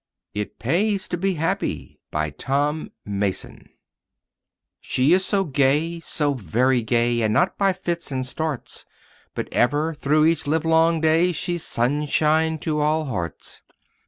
IT PAYS TO BE HAPPY BY TOM MASSON She is so gay, so very gay, And not by fits and starts, But ever, through each livelong day She's sunshine to all hearts.